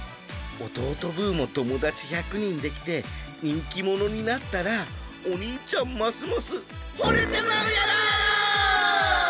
弟ブーも友だち１００人できて人気者になったらお兄ちゃんますますほれてまうやろ！